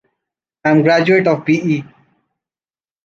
I’m a graduate of B.E.